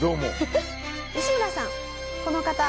吉村さん。